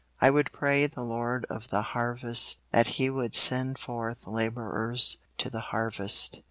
I would pray the Lord of the harvest that He would send forth laborers to the harvest.